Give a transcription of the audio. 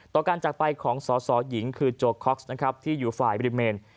ต่อการจากไปของสอสอหญิงคือโจคอกซ์นะครับที่อยู่ฝ่ายริเมน